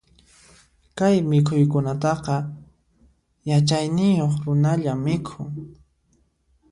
Kay mikhuykunataqa, yachayniyuq runalla mikhun.